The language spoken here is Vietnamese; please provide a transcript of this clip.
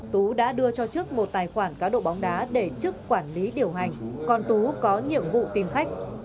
tú đã đưa cho chức một tài khoản cá độ bóng đá để chức quản lý điều hành còn tú có nhiệm vụ tìm khách